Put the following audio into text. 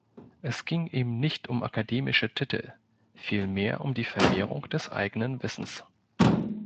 Es ging ihm nicht um akademische Titel, vielmehr um die Vermehrung des eigenen Wissens.